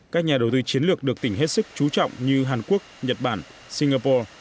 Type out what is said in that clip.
các nhà đầu tư chiến lược được tỉnh hết sức chú trọng như hàn quốc nhật bản singapore